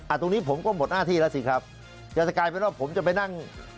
ตรงนี้ผมก็หมดหน้าที่แล้วสิครับจะกลายเป็นว่าผมจะไปนั่ง